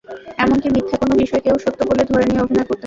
এমনকি মিথ্যা কোনো বিষয়কেও সত্য বলে ধরে নিয়ে অভিনয় করতে হবে।